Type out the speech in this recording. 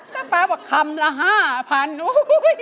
ก็แปลว่าคำละ๕๐๐๐บาทโอ้โฮ